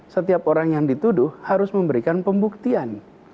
setiap orang yang dituduh harus memberikan pembuktian